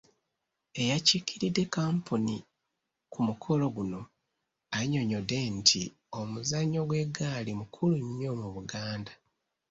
Eyakiikiridde kkampuni ku mukolo guno annyonnyodde nti omuzannyo gw’eggaali mukulu nnyo mu Buganda.